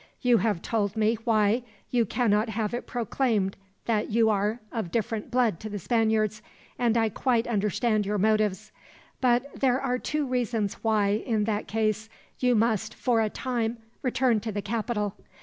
You have told me why you cannot have it proclaimed that you are of different blood to the Spaniards, and I quite understand your motives; but there are two reasons why, in that case, you must for a time return to the capital.